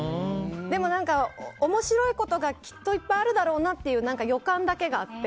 でも、面白いことがきっといっぱいあるだろうなという予感だけがあって。